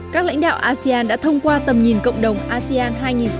các lãnh đạo asean đã thông qua tầm nhìn cộng đồng asean hai nghìn hai mươi năm